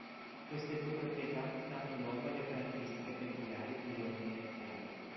Queste due proprietà danno luogo alle caratteristiche peculiari delle onde inerziali.